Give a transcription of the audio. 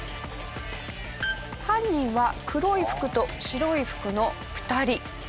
犯人は黒い服と白い服の２人。